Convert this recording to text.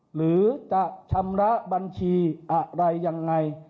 หรือจะชำระบัญชีอะไรยังไง